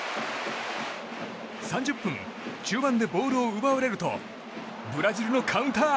３０分、中盤でボールを奪われるとブラジルのカウンター。